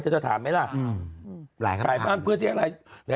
เธอจะถามไหมล่ะ